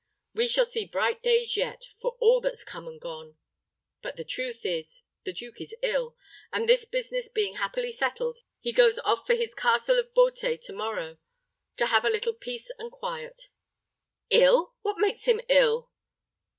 We shall see bright days yet, for all that's come and gone. But the truth is, the duke is ill, and this business being happily settled, he goes off for his Castle of Beauté to morrow, to have a little peace and quiet." "Ill! what makes him ill?"